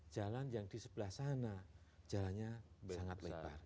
jalan yang di sebelah sana jalannya sangat lebar